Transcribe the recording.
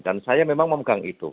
dan saya memang memegang itu